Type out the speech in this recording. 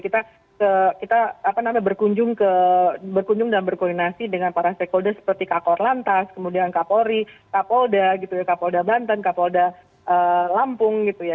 kita berkunjung dan berkoordinasi dengan para stakeholder seperti kak orlantas kemudian kak polri kak polda kak polda banten kak polda lampung gitu ya